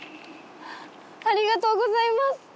ありがとうございます！